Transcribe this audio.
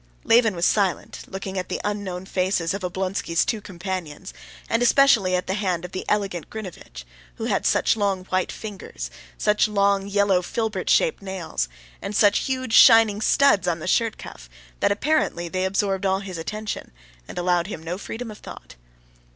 Levin was silent, looking at the unknown faces of Oblonsky's two companions, and especially at the hand of the elegant Grinevitch, which had such long white fingers, such long yellow filbert shaped nails, and such huge shining studs on the shirt cuff, that apparently they absorbed all his attention, and allowed him no freedom of thought.